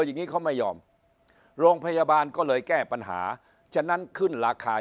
อย่างนี้เขาไม่ยอมโรงพยาบาลก็เลยแก้ปัญหาฉะนั้นขึ้นราคา